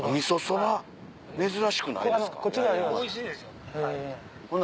珍しくないですか？